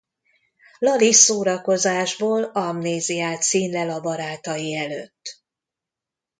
Lali szórakozásból amnéziát színlel a barátai előtt.